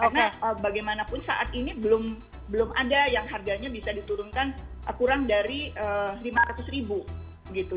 karena bagaimanapun saat ini belum ada yang harganya bisa diturunkan kurang dari rp lima ratus gitu